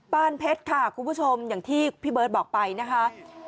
เพชรค่ะคุณผู้ชมอย่างที่พี่เบิร์ตบอกไปนะคะ